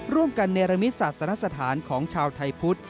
ร่วมกันเนรมิตศาสนสถานของชาวไทยพุทธ